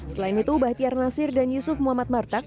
selain itu bahtiar nasir dan yusuf muhammad martak